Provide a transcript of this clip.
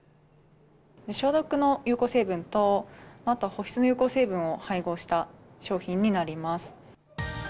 消毒の有効成分と、あとは保湿の有効成分を配合した商品になります。